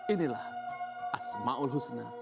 inilah asma'ul husna